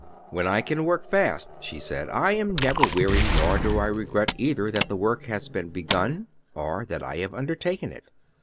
"When I can work fast," she said, "I am never weary, nor do I regret either that the work has been begun or that I have undertaken it.